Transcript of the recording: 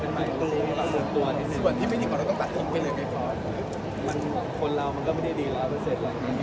ผมไม่แก้ตัวครับผมก็ยอมรับ